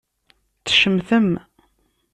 Tcemtem.